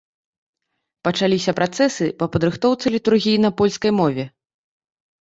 Пачаліся працэсы па падрыхтоўцы літургіі на польскай мове.